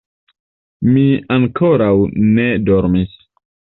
Mi ankoraŭ ne dormis.